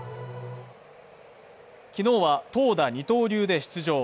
昨日は投打二刀流で出場。